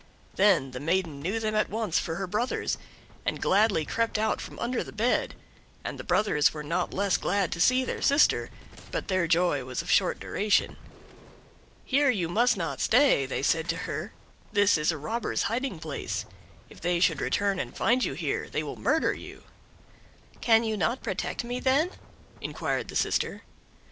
Then the maiden knew them at once for her brothers, and gladly crept out from under the bed, and the brothers were not less glad to see their sister, but their joy was of short duration. "Here you must not stay," said they to her; "this is a robber's hiding place; if they should return and find you here, they will murder you." "Can you not protect me, then?" inquired the sister.